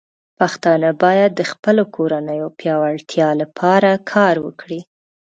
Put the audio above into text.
پښتانه بايد د خپلو کورنيو پياوړتیا لپاره کار وکړي.